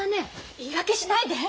言い訳しないで。